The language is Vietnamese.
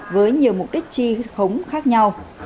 với nhiều mục đích chi khống khác nhau